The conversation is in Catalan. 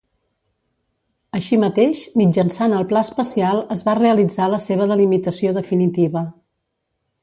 Així mateix, mitjançant el pla especial es va realitzar la seva delimitació definitiva.